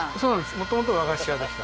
もともと和菓子屋でした。